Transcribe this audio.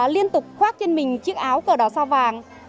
liên tục khoác trên mình chiếc áo cờ đỏ sao vàng